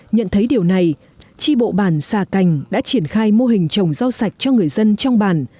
nhận thấy điều này tri bộ bản xà cành đã triển khai mô hình trồng rau sạch cho người dân trong bản